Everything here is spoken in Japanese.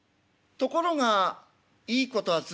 ところがいいことは続きません。